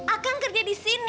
akang kerja di sini